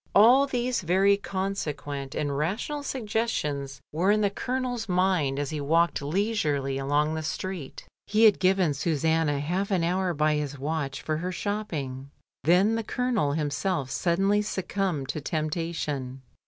All these very consequent and rational suggestions were in the Colonel's mind as l6o MRS. DYMOND. he walked leisurely along the street. He had given Susanna half an hour by his watch for her shopping. Then the Colonel himself suddenly succumbed to temptation.